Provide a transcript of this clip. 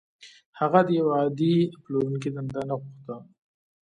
هغه د يوه عادي پلورونکي دنده نه غوښته.